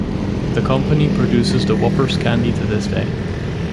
The company produces the Whoppers candy to this day.